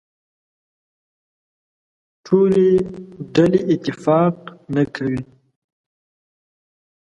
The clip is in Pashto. ټولې ډلې اتفاق نه کوي.